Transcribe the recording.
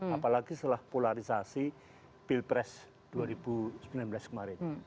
apalagi setelah polarisasi pilpres dua ribu sembilan belas kemarin